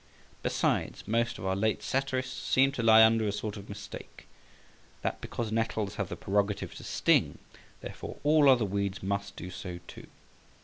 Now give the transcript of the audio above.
Besides, most of our late satirists seem to lie under a sort of mistake, that because nettles have the prerogative to sting, therefore all other weeds must do so too.